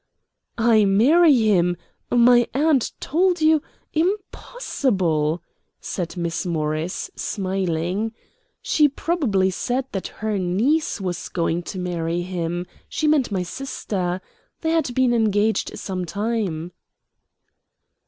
"I marry him my aunt told you impossible!" said Miss Morris, smiling. "She probably said that 'her niece' was going to marry him; she meant my sister. They had been engaged some time."